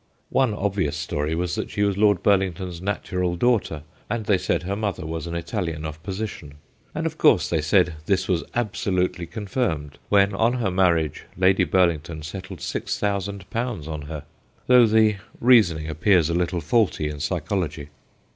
One obvious story was that she was Lord Burlington's natural daughter, and they said her mother was an Italian of position. And, of course, they said this was absolutely confirmed when on her marriage Lady Burlington settled 6000 on her, though the reasoning appears a little faulty in psychology.